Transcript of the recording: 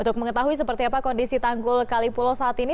untuk mengetahui seperti apa kondisi tanggul kalipulo saat ini